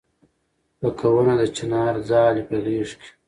لکه ونه د چنار ځالې په غېږ کې